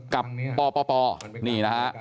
กับปปนี่นะฮะ